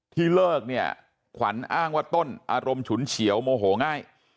เลิกเนี่ยขวัญอ้างว่าต้นอารมณ์ฉุนเฉียวโมโหง่าย